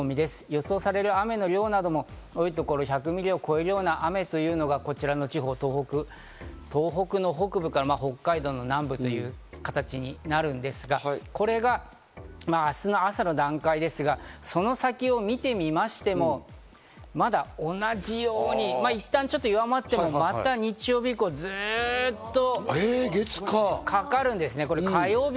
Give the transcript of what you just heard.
予想される雨の量なども多い所、１００ミリを超えるような雨ということが、こちらの地方、東北北部から北海道の南部という形になるんですが、これが明日の朝の段階ですが、その先を見てみましても、まだ同じように一旦ちょっと弱まっても、また日曜日以降ずっと。